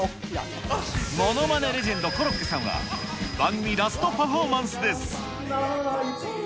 ものまねレジェンド、コロッケさんは、番組ラストパフォーマンスです。